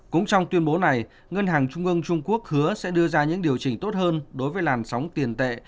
cũng trong tuyên bố này ngân hàng trung ương trung quốc hứa sẽ đưa ra những điều chỉnh tốt hơn đối với làn sóng tiền tệ